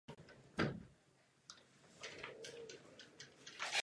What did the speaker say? Pod jeho vedením a dohledem vznikaly téměř všechny státní stavby v Uhersku.